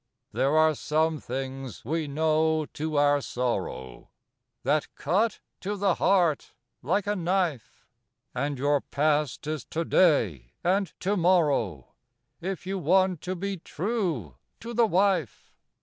There are some things, we know to our sorrow, That cut to the heart like a knife, And your past is To day and To morrow If you want to be true to the wife.